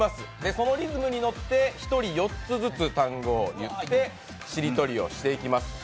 そのリズムに乗って１人４つずつ単語を言って、しりとりをしていきます。